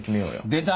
出た！